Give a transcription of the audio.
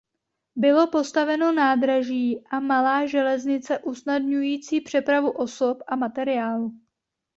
Bylo postaveno nádraží a malá železnice usnadňující přepravu osob a materiálu.